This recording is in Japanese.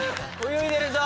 泳いでるぞ！